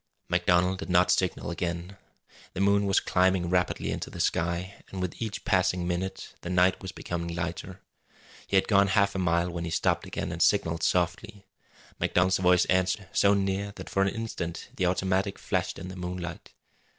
MacDonald did not signal again. The moon was climbing rapidly into the sky, and with each passing minute the night was becoming lighter. He had gone half a mile when he stopped again and signalled softly. MacDonald's voice answered, so near that for an instant the automatic flashed in the moonlight.